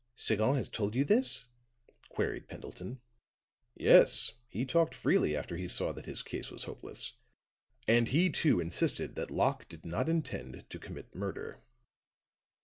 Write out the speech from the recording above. "Sagon has told you this?" queried Pendleton. "Yes; he talked freely, after he saw that his case was hopeless; and he, too, insisted that Locke did not intend to commit murder.